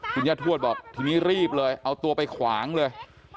คุณย่าทวดบอกทีนี้รีบเลยเอาตัวไปขวางเลย